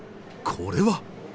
これは。